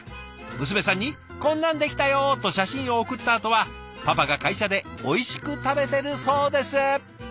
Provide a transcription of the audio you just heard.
娘さんに「こんなんできたよ」と写真を送ったあとはパパが会社でおいしく食べてるそうです。